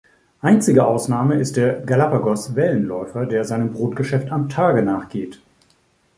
Einzige Ausnahme ist der Galapagos-Wellenläufer, der seinem Brutgeschäft am Tage nachgeht.